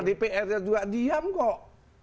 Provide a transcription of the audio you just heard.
dpr nya juga diam kok